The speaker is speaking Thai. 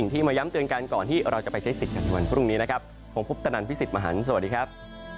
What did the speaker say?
ที่มาย้ำเตือนกันก่อนที่เราจะไปใช้สิทธิ์กันในวันพรุ่งนี้นะครับผมคุปตนันพี่สิทธิ์มหันฯสวัสดีครับ